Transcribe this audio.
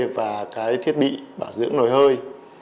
và thiết bị bảo dưỡng nồi hơi